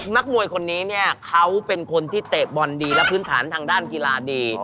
นักมวยคนนี้เนี่ยเขาเป็นคนที่เตะบอลดีและพื้นฐานทางด้านกีฬาดี